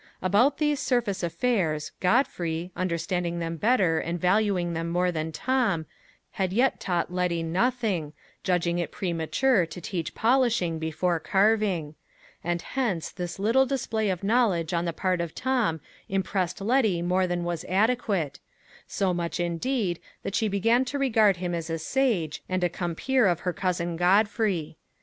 About these surface affairs, Godfrey, understanding them better and valuing them more than Tom, had yet taught Letty nothing, judging it premature to teach polishing before carving; and hence this little display of knowledge on the part of Tom impressed Letty more than was adequate so much, indeed, that she began to regard him as a sage, and a compeer of her cousin Godfrey.